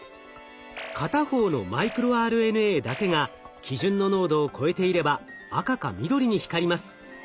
片方のマイクロＲＮＡだけが基準の濃度を超えていれば赤か緑に光ります。